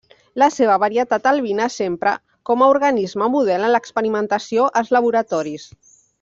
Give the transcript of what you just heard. La seva varietat albina s'empra com a organisme model en l'experimentació als laboratoris.